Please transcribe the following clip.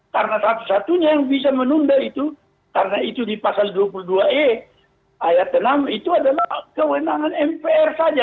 karena satu satunya yang bisa menunda itu karena itu di pasal dua puluh dua e ayat enam itu adalah kewenangan mpr saja